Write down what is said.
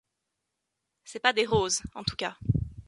C’est pas des roses, en tout cas.